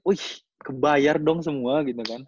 wih kebayar dong semua gitu kan